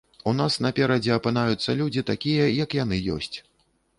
У нас наперадзе апынаюцца людзі такія, як яны ёсць.